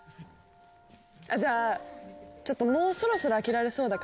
じゃあちょっともうそろそろ飽きられそうだから。